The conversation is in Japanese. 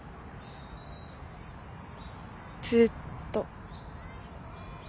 ずっと。